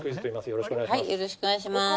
よろしくお願いします。